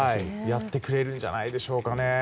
やってくれるんじゃないでしょうかね。